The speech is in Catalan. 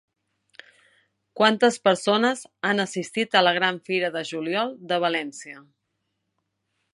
Quantes persones han assistit a la Gran Fira de Juliol de València?